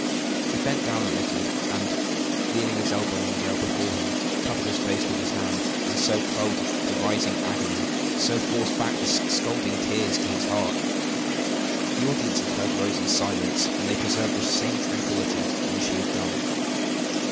He bent down a little, and, leaning his elbow on the rail before him, covered his face with his hand; and so quelled the rising agony, so forced back the scalding tears to his heart. The audience had heard Rose in silence, and they preserved the same tranquillity when she had done.